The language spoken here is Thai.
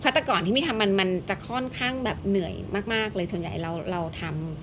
พัตรกรที่มีทำมันมันจะค่อนข้างแบบเหนื่อยมากมากเลยส่วนใหญ่เราเราทำ